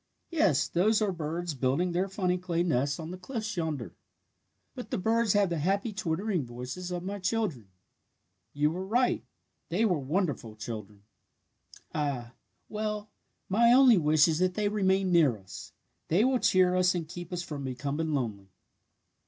"Yes, those are birds building their funny clay nests on the cliffs yonder. "But the birds have the happy twittering voices of my children. You were right. They were wonderful children! "Ah, well, my only wish is that they may remain near us. They will cheer us and keep us from becoming lonely!"